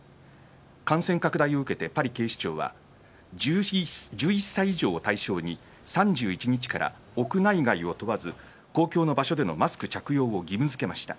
感染拡大を受けて、パリ警視庁は１１歳以上を対象に３１日から屋内外を問わず公共の場所でのマスク着用を義務づけました。